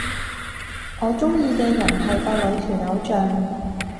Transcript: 我鍾意嘅人係個女團偶像